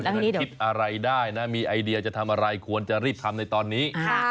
มันคิดอะไรได้นะมีไอเดียจะทำอะไรควรจะรีบทำในตอนนี้